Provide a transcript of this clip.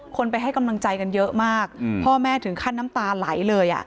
คนไปให้กำลังใจกันเยอะมากพ่อแม่ถึงขั้นน้ำตาไหลเลย